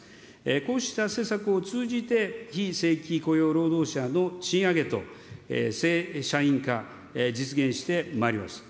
こうした政策を通じて、非正規雇用労働者の賃上げと正社員化、実現してまいります。